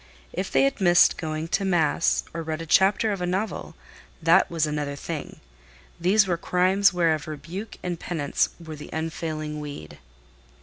If they had missed going to mass, or read a chapter of a novel, that was another thing: these were crimes whereof rebuke and penance were the unfailing weed.